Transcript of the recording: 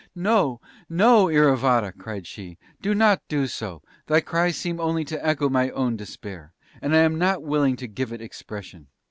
"No.... No! Iravata," cried she: "do not do so; thy cries seem only to echo my own despair and I am not willing to give it expression!